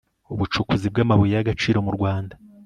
ubucukuzi bw amabuye y agaciro murwanda